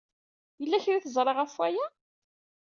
Yella kra ay teẓra ɣef waya?